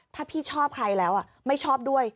ถ้าพี่ชอบใครแล้วไม่ชอบด้วย